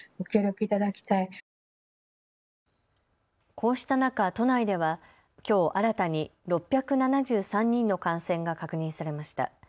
こうした中、都内ではきょう新たに６７３人の感染が確認されました。